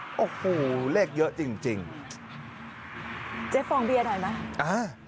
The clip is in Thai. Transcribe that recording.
โอ้โหเลขเยอะจริงจริงเจ๊ฟองเบียร์หน่อยไหมอ่า